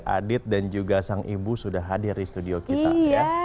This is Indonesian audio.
adit dan juga sang ibu sudah hadir di studio kita ya